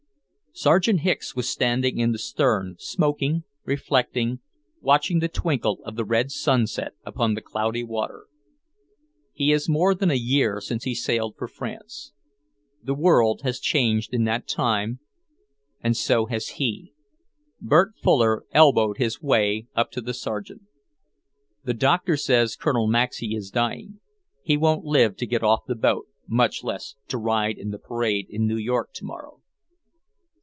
Sergeant Hicks was standing in the stern, smoking, reflecting, watching the twinkle of the red sunset upon the cloudy water. It is more than a year since he sailed for France. The world has changed in that time, and so has he. Bert Fuller elbowed his way up to the Sergeant. "The doctor says Colonel Maxey is dying, He won't live to get off the boat, much less to ride in the parade in New York tomorrow."